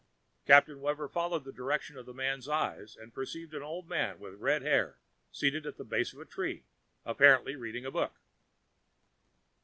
Captain Webber followed the direction of the man's eyes and perceived an old man with red hair seated at the base of a tree, apparently reading a book.